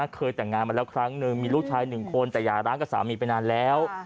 เคยแต่งงานมาแล้วครั้งนึงมีลูกชายหนึ่งคนแต่อย่าร้างกับสามีไปนานแล้ว